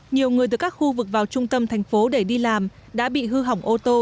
nhiều người từ các khu vực vào trung tâm thành phố để đi làm đã bị hư hỏng ô tô